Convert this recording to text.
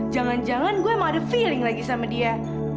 jangan jangan gue emang ada feeling lagi sama dia